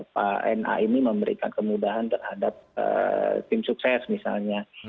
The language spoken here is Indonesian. pak na ini memberikan kemudahan terhadap tim sukses misalnya